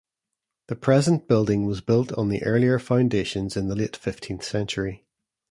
The present building was built on the earlier foundations in the late fifteenth century.